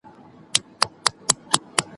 ور اغوستي یې په پښو کي وه زنګونه ,